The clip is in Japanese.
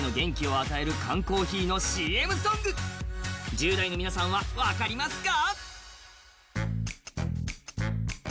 １０代の皆さんは、分かりますか？